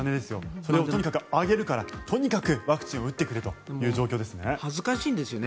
それをあげるから、とにかくワクチンを打ってくれという状況ですね。